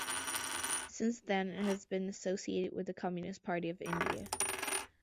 Since then, it has been associated with the Communist Party of India.